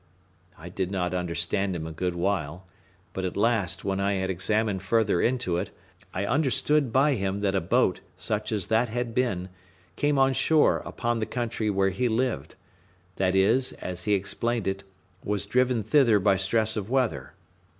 I did not understand him a good while; but at last, when I had examined further into it, I understood by him that a boat, such as that had been, came on shore upon the country where he lived: that is, as he explained it, was driven thither by stress of weather.